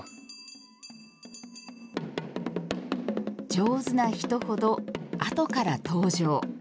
上手な人ほど後から登場。